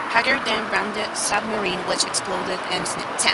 "Haggard" then rammed the submarine which exploded and sank.